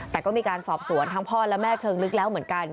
แต่ก็มีการสอบสวนทั้งพ่อและแม่เชิงลึกแล้วเหมือนกัน